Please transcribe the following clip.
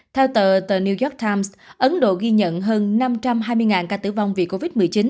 theo tờ tờ new york times ấn độ ghi nhận hơn năm trăm hai mươi ca tử vong vì covid một mươi chín